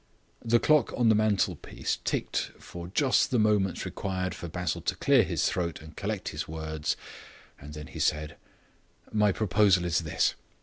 The clock on the mantelpiece ticked for just the moments required for Basil to clear his throat and collect his words, and then he said: "My proposal is this.